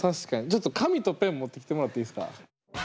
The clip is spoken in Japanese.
ちょっと紙とペン持ってきてもらっていいですか？